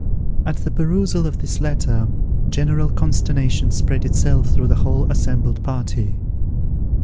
At the perusal of this letter general consternation spread itself through the whole assembled party.